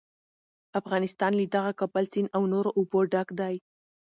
افغانستان له دغه کابل سیند او نورو اوبو ډک دی.